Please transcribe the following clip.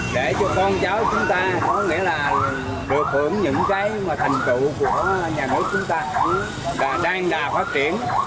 để cho con cháu chúng ta có nghĩa là được hưởng những cái mà thành tựu của nhà nước chúng ta đang đà phát triển